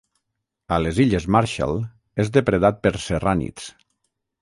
A les Illes Marshall és depredat per serrànids.